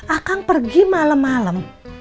akang pergi malem malem